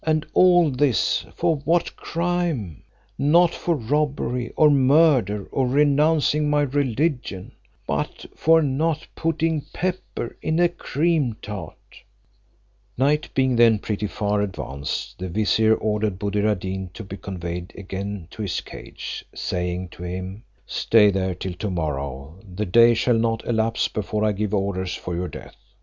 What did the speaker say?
And all this, for what crime? not for robbery or murder, or renouncing my religion, but for not putting pepper in a cream tart," Night being then pretty far advanced, the vizier ordered Buddir ad Deen to be conveyed again to his cage, saying to him, "Stay there till to morrow; the day shall not elapse before I give orders for your death."